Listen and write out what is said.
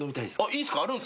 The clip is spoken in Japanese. いいっすか？